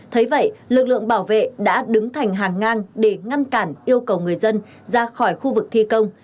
thấy vậy lực lượng bảo vệ đã đứng thành hàng ngang để ngăn cản yêu cầu người dân ra khỏi khu vực thi công